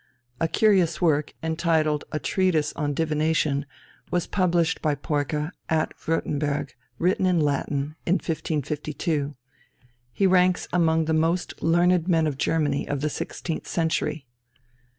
A curious work, entitled A Treatise on Divination, was published by Peucer at Würtemberg, written in Latin, in 1552. He ranks among the most learned men of Germany of the sixteenth century.